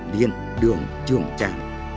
điền đường trường trạng